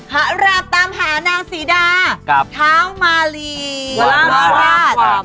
หารับตามหานางสีดากับท้าวมารีมาราช